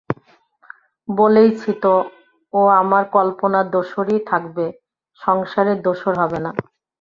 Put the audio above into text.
বলেইছি তো ও আমার কল্পনার দোসরই থাকবে সংসারের দোসর হবে না!